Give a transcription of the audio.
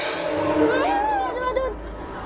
待って待って。